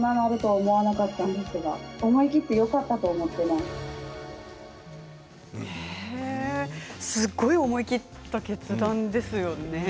すごい思い切った決断ですよね。